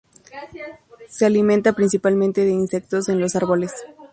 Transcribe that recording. Se alimenta principalmente de insectos en los árboles.